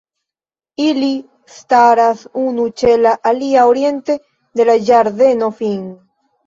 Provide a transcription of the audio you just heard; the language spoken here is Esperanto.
Ili staras unu ĉe la alia oriente de la Ĝardeno Fin.